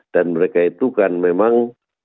dan mereka itu kan memang